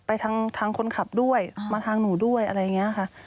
ไปทางคนขับด้วยมาทางหนูด้วยอะไรอย่างนี้ค่ะ